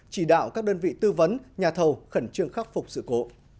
chỉ đạo các đơn vị tư vấn nhà thầu khẩn trương khắc phục sự cố